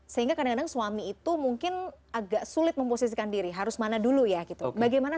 sehingga kadang kadang suami itu mungkin agak sulit memposisikan diri harus mana dulu ya gitu